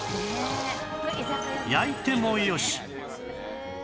焼いてもよし！